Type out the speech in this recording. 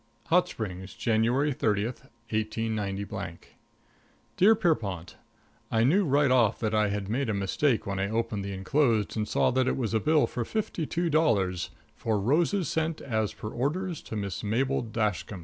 |++ IX HOT SPRINGS, January 30, 189 Dear Pierrepont: I knew right off that I had made a mistake when I opened the inclosed and saw that it was a bill for fifty two dollars, "for roses sent, as per orders, to Miss Mabel Dashkam."